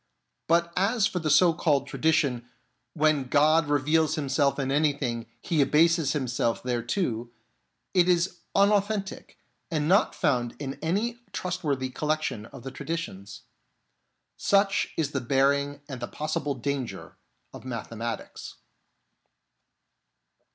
But as for the so called tradition, " When God reveals Himself in anything, He abases Him self thereto," it is unauthentic, and not found in any trustworthy collection of the traditions. Such is the bearing and the possible danger of mathematics.